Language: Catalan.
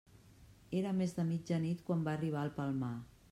Era més de mitjanit quan va arribar al Palmar.